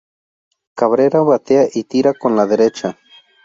Cabrera batea y tira con la derecha.